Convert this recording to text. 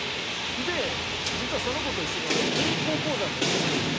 で実はその子と一緒に俺銀行口座も一緒に。